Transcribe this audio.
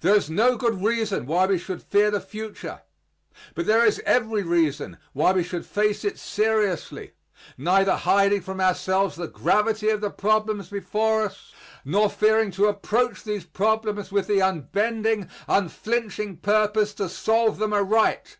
There is no good reason why we should fear the future, but there is every reason why we should face it seriously, neither hiding from ourselves the gravity of the problems before us, nor fearing to approach these problems with the unbending, unflinching purpose to solve them aright.